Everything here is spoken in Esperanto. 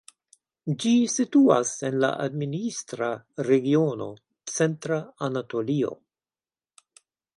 Ĝi situas en la administra regiono Centra Anatolio.